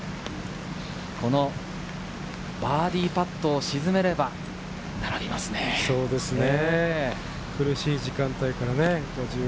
このバーディーパットを苦しい時間帯からね。